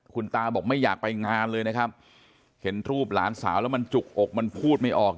คุณตาบอกไม่อยากไปงานเลยนะครับเห็นรูปหลานสาวแล้วมันจุกอกมันพูดไม่ออก